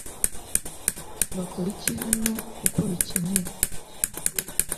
Bakora iki hano kuko bikenewe